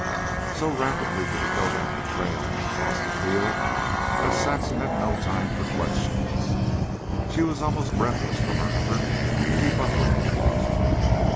So rapidly did he go down the trail and across the field, that Saxon had no time for questions. She was almost breathless from her effort to keep up with him.